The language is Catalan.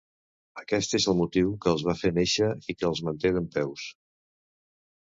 Aquest és el motiu que els va fer néixer i que els manté dempeus.